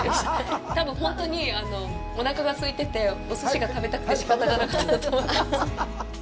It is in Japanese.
多分、本当に、おなかがすいてておすしが食べたくて仕方がなかったんだと思います。